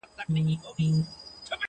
ډبرینه یې قلا لیري له ښاره.!